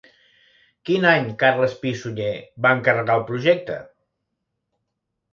Quin any Carles Pi i Sunyer va encarregar el projecte?